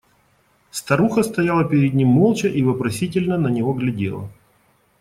Старуха стояла перед ним молча и вопросительно на него глядела.